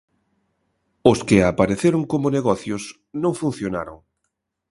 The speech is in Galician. Os que apareceron como negocios, non funcionaron.